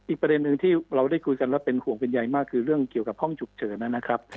อีกประเด็นหนึ่งที่เราได้คุยกันแล้วเป็นห่วงเป็นใยมากคือเรื่องเกี่ยวกับห้องฉุกเฉินนะครับ